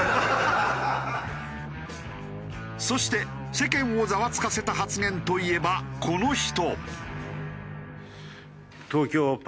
そして世間をザワつかせた発言といえばこの人。